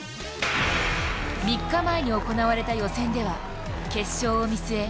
３日前に行われた予選では決勝を見据え